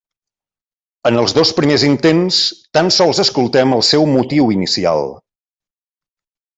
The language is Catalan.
En els dos primers intents tan sols escoltem el seu motiu inicial.